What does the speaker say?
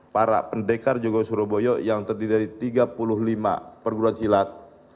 para pendekar jogo suroboyo yang terdiri dari tiga puluh lima perguruan silat